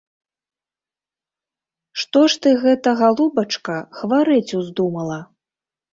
Што ж ты гэта, галубачка, хварэць уздумала?